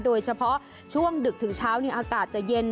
โดยเฉพาะช่วงดึกถึงเช้าอากาศจะเย็น